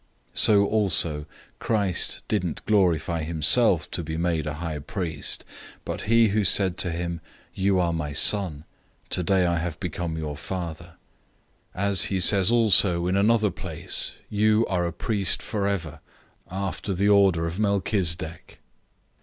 005:005 So also Christ didn't glorify himself to be made a high priest, but it was he who said to him, "You are my Son. Today I have become your father."{Psalm 2:7} 005:006 As he says also in another place, "You are a priest forever, after the order of Melchizedek."